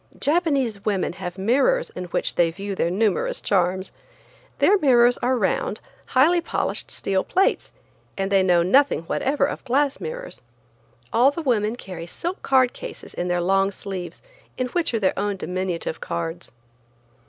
Japanese women have mirrors in which they view their numerous charms. Their mirrors are round, highly polished steel plates, and they know nothing whatever of glass mirrors. All the women carry silk card cases in their long sleeves, in which are their own diminutive cards.